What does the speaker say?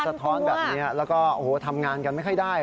ท้อนแบบนี้แล้วก็โอ้โหทำงานกันไม่ค่อยได้